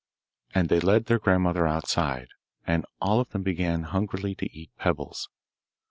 And they led their grandmother outside, and all of them began hungrily to eat pebbles.